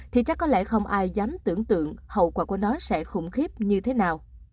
thì chắc có lẽ không ai dám tưởng tượng hậu quả của nó sẽ khủng khiếp như thế nào